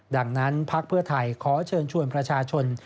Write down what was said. ดังนั้นพธขอเชิญชวนประชาชน